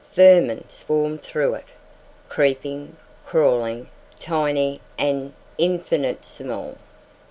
Vermin swarmed through it, creeping, crawling, tiny and infinitesimal.